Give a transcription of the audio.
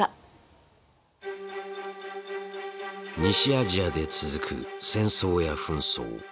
西アジアで続く戦争や紛争。